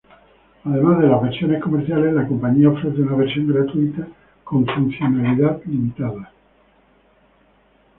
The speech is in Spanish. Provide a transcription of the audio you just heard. Además de las versiones comerciales, la compañía ofrece una versión gratuita con funcionalidad limitada.